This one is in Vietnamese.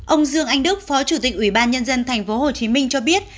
ông dương anh đức phó chủ tịch ủy ban nhân dân thành phố hồ chí minh cho biết